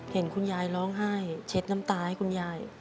เห็นคุณยายร้องไห้เช็ดน้ำตาให้คุณยาย